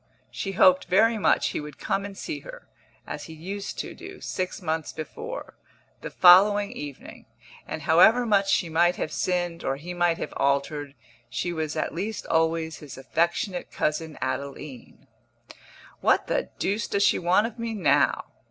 She hoped very much he would come and see her as he used to do six months before the following evening; and however much she might have sinned or he might have altered, she was at least always his affectionate cousin Adeline. "What the deuce does she want of me now?"